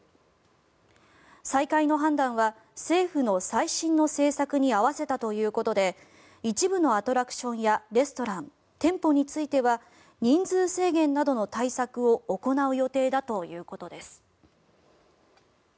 再開の判断は政府の最新の政策に合わせたということで一部のアトラクションやレストラン、店舗については人数制限などの対策を行う予定だということです。